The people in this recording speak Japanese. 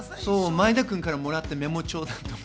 前田君からもらったメモ帳とか。